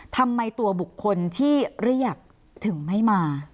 ทำไมตัวบุคคลที่เรียกถึงไม่มา